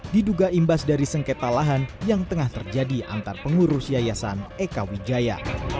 diduga imbas dari sengketa lahan yang tengah terjadi antar pengurus yayasan eka wijaya